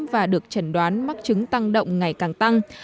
và được chẩn đoán mắc chứng tăng động ngày càng tăng